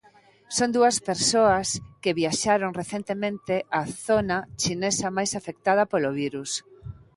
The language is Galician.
Son dúas persoas que viaxaron recentemente á zona chinesa máis afectada polo virus.